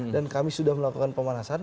dan kami sudah melakukan pemanasan